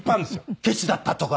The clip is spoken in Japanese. ケチだったとか。